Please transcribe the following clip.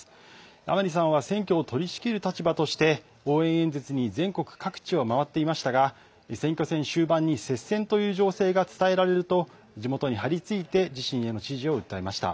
甘利さんは選挙を取りしきる立場として応援演説に全国各地を回っていましたが選挙戦終盤に接戦という情勢が伝えられると地元にはり付いて自身への支持を訴えました。